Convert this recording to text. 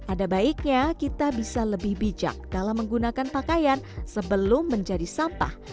ada baiknya kita bisa lebih bijak dalam menggunakan pakaian sebelum menjadi sampah